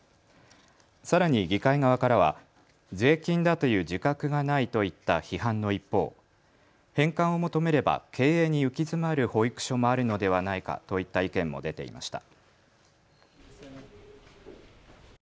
さらに議会側からは税金だという自覚がないといった批判の一方、返還を求めれば経営に行き詰まる保育所もあるのではないかといった意見も出ていました。